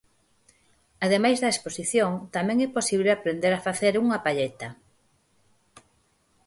Ademais da exposición, tamén é posible aprender a facer unha palleta.